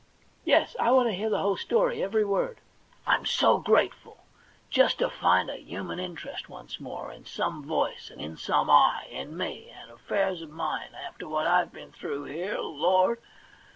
*Yes; I want to hear the whole story, every word.' *I'm so grateful! Just to find a human interest once more, in some voice and in some eye, in me and affairs of mine, after what I've been through here — lord